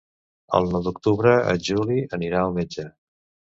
El nou d'octubre en Juli anirà al metge.